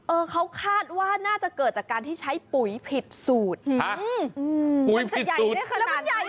เออเค้าคาดว่าน่าจะเกิดจากการที่ใช้ปุ๋ยผิดสูตร